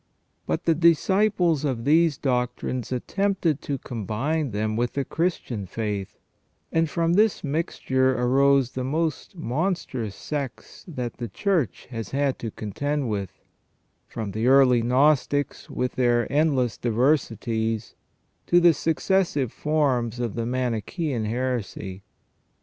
But the disciples of these doctrines attempted to com bine them with the Christian faith, and from this mixture arose the most monstrous sects that the Church has had to contend with, from the early Gnostics, with their endless diversities, to the successive forms of the Manichean heresy.